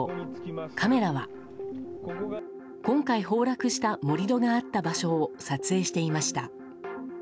カメラは、今回崩落した盛り土があった場所を撮影していました。